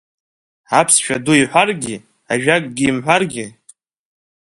Аԥсшәа ду иҳәаргьы, ажәакгьы имҳәаргьы?